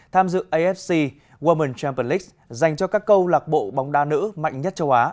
tham dự afc women s champion league dành cho các câu lạc bộ bóng đá nữ mạnh nhất châu á